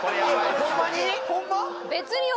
ホンマ？